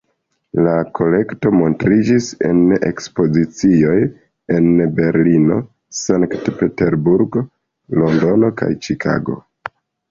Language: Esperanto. La kolekto montriĝis en ekspozicioj en Berlino, Sankt-Peterburgo, Londono kaj Ĉikago.